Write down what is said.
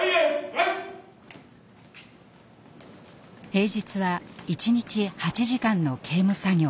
平日は一日８時間の刑務作業。